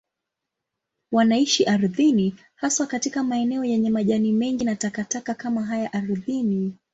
Wanaishi ardhini, haswa katika maeneo yenye majani mengi na takataka kama haya ardhini.